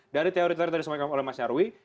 dari teori tadi yang disampaikan oleh mas nyarwi